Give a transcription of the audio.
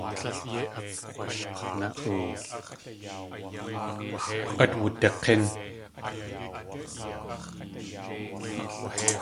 Át wudik̲ín.